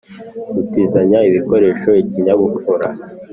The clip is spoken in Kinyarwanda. -gutizanya ibikoresho; -ikinyabupfura;